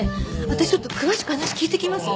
私ちょっと詳しく話聞いてきます。